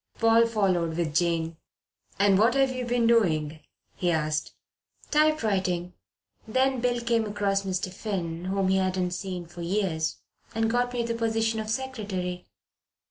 Paul followed with Jane. "And what have you been doing?" he asked. "Typewriting. Then Bill came across Mr. Finn, whom he hadn't seen for years, and got me the position of secretary.